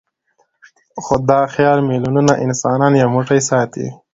خو دا خیال میلیونونه انسانان یو موټی ساتي.